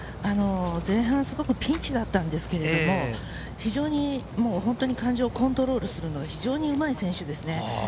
前半すごくピンチだったんですけれど、感情をコントロールするのがうまい選手ですね。